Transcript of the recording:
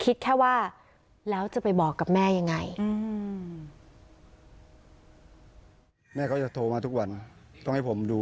คิดแค่ว่าแล้วจะไปบอกกับแม่ยังไงอืม